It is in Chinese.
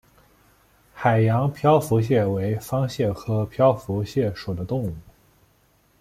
海洋漂浮蟹为方蟹科漂浮蟹属的动物。